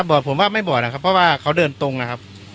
อดผมว่าไม่บอดนะครับเพราะว่าเขาเดินตรงนะครับ